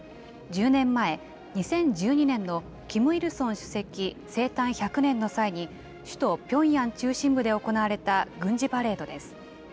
１０年前、２０１２年のキム・イルソン主席生誕１００年の際に、首都ピョンヤン中心部で行われた軍事パレードです。